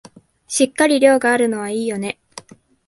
しっかり量があるのはいいよね